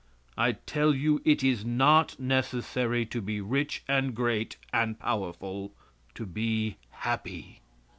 I tell you it is not necessary to be rich and great and powerful to be happy.